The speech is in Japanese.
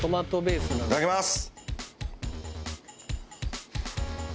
いただきます！